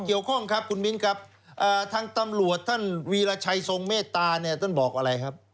เกี่ยวข้องครับคุณมิ้นครับทางตำรวจท่านวีรชัยทรงเมตตาเนี่ยท่านบอกอะไรครับ